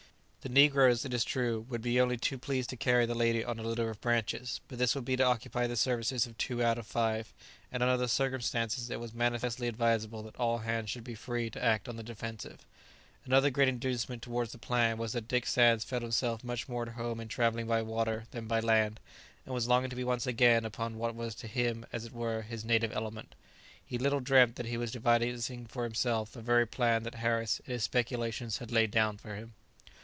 The negroes, it is true, would be only too pleased to carry the lady on a litter of branches, but this would be to occupy the services of two out of five, and under the circumstances it was manifestly advisable that all hands should be free to act on the defensive. Another great inducement towards the plan was that Dick Sands felt himself much more at home in travelling by water than by land, and was longing to be once again upon what to him was, as it were, his native element. He little dreamt that he was devising for himself the very plan that Harris, in his speculations, had laid down for him!